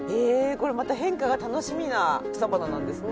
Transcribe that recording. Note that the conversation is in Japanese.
これまた変化が楽しみな草花なんですね。